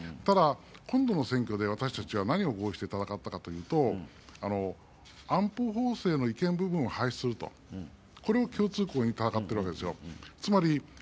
今度の選挙で私たちは何で戦ったかというと安保法制の違憲部分を廃止するこれを共通項に戦っているわけですよ。